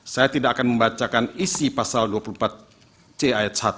saya tidak akan membacakan isi pasal dua puluh empat c ayat satu